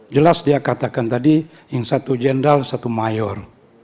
jelas dia katakan tadi yang satu jenderal satu mayor